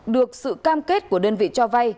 được sự cam kết của đơn vị cho vai